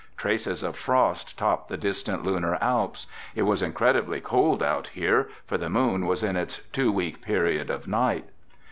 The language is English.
Traces of frost topped the distant Lunar Alps. It was incredibly cold out here, for the Moon was in its two week period of night.